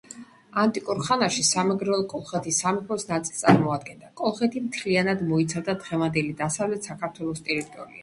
ანტიკურ ხანაში სამეგრელო კოლხეთის სამეფოს ნაწილს წარმოადგენდა. კოლხეთი მთლიანად მოიცავდა დღევანდელი დასავლეთ საქართველოს ტერიტორიას.